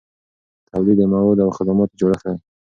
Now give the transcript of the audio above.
تولید د موادو او خدماتو جوړښت دی.